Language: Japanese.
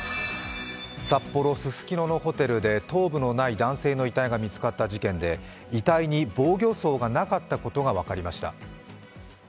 札幌・ススキノのホテルで頭部のない男性の遺体が見つかった事件で遺体に防御創がなかったことが分かりました。